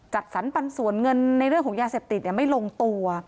จัดสรรปันส่วนเงินในเรื่องของยาเสพติดไม่ลงตัว